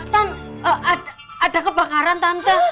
tan ada kebakaran tante